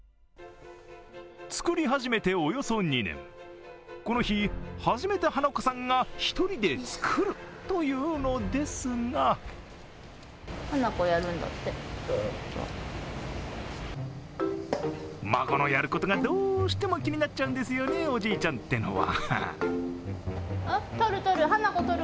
作り始めておよそ２年この日、初めて華子さんが一人で作る、というのですが孫のやることがどうしても気になっちゃうんですね、おじいちゃんっていうのは。